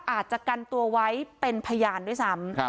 อาจจะกันตัวไว้เป็นพยานด้วยซ้ำ